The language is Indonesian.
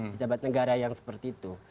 pejabat negara yang seperti itu